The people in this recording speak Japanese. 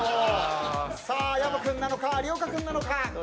さあ薮君なのか有岡君なのか。